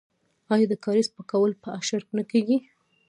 آیا د کاریز پاکول په اشر نه کیږي؟